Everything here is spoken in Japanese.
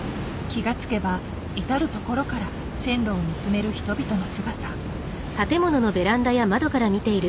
気が付けば至る所から線路を見つめる人々の姿。